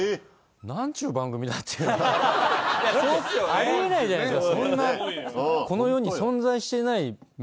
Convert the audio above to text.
あり得ないじゃないですか。